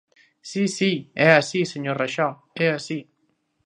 Si, si, é así, señor Raxó, é así.